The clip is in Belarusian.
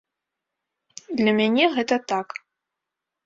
Для мяне гэта так.